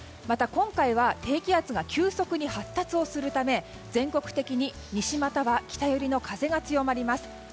また今回は低気圧が急速に発達をするため全国的に西、または北寄りの風が強まります。